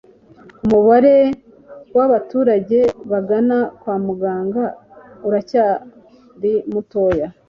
umubare w'abaturage bagana kwa muganga uracyari mutoya